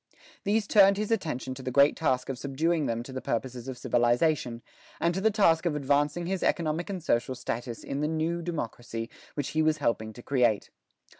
These turned his attention to the great task of subduing them to the purposes of civilization, and to the task of advancing his economic and social status in the new democracy which he was helping to create.